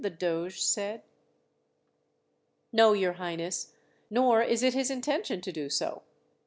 the doge said. "No, your highness, nor is it his intention to do so.